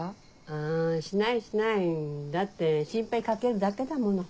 あしないしないだって心配かけるだけだもの。